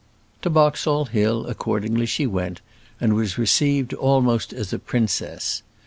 To Boxall Hill, accordingly, she went, and was received almost as a princess.